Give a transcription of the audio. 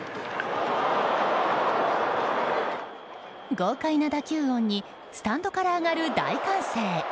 豪快な打球音にスタンドから上がる大歓声。